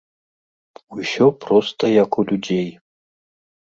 Усё проста як у людзей.